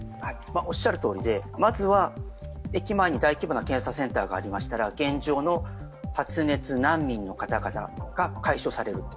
まずは駅前に大規模な検査センターがありましたら現状の発熱、難民の方々が解消される。